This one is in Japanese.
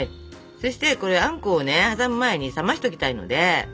そしてこれあんこをね挟む前に冷ましときたいので。